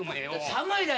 寒いだよ